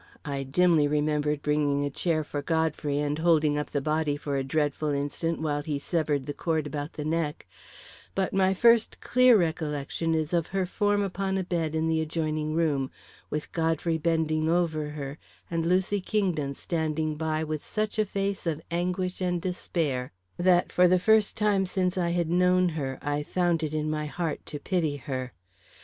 I dimly remembered bringing a chair for Godfrey and holding up the body for a dreadful instant while he severed the cord about the neck; but my first clear recollection is of her form upon a bed in the adjoining room, with Godfrey bending over her and Lucy Kingdon standing by with such a face of anguish and despair that, for the first time since I had known her, I found it in my heart to pity her.